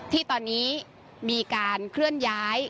ที่ตอนนี้มีการเคลื่อนย้าย